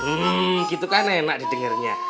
hmm gitu kan enak didengernya